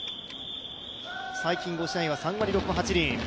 最近５試合は３割６分８厘。